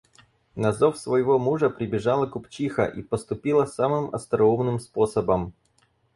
На зов своего мужа, прибежала купчиха и поступила самым остроумным способом.